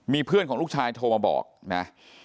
มีเพื่อนของลูกชายโทรมาบอกนะ